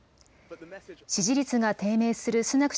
支持率が低迷するスナク